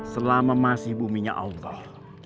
selama masih buminya allah